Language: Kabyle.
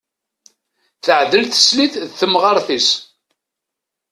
Teɛdel teslit d temɣart-is.